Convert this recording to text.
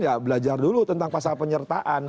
ya belajar dulu tentang pasal penyertaan